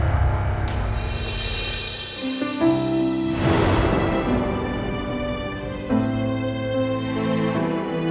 tidak ada masalah